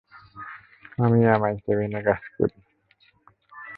আমি এমআই-সেভেন-এ কাজ করি।